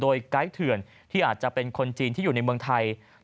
การทำการทัวร์เทือนโดยไคสเทือนที่อาจจะเป็นคนจีนที่อยู่ในเมืองไทยัศจัยดีเมาตรี